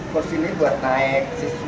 kursi ini buat naik cctv